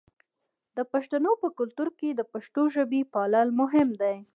د پښتنو په کلتور کې د پښتو ژبې پالل مهم دي.